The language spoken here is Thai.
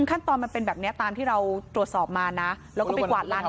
ขั้นตอนมันเป็นแบบนี้ตามที่เราตรวจสอบมานะแล้วก็ไปกวาดลัน